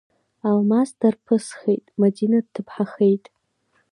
Алмас дарԥысхеит, Мадина дҭыԥҳахеит.